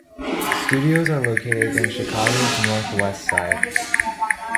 Studios are located in Chicago's Northwest Side.